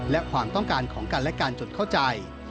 และความต้องการของกันและกันจนเข้าใจ